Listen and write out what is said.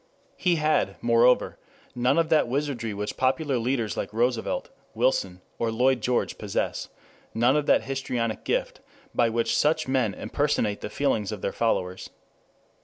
He had, moreover, none of that wizardry which popular leaders like Roosevelt, Wilson, or Lloyd George possess, none of that histrionic gift by which such men impersonate the feelings of their followers.